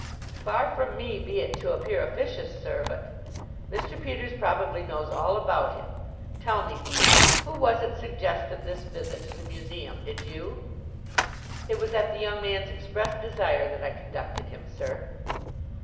"Far from me be it to appear officious, sir; but " "Mr. Peters probably knows all about him. Tell me, Beach, who was it suggested this visit to the museum? Did you?" "It was at the young man's express desire that I conducted him, sir."